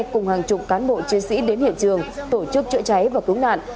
cùng hàng chục cán bộ chiến sĩ đến hiện trường tổ chức chữa cháy và cứu nạn